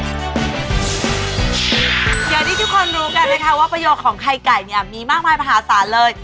อย่างที่ทุกคนรู้กันนะคะว่าประโยชน์ของไข่ไก่เนี่ยมีมากมายมหาศาลเลย